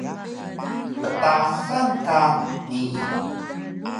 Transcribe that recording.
Ptasan ka nii